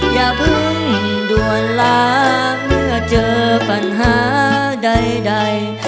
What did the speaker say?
อย่าเพิ่งด่วนล้างเมื่อเจอปัญหาใด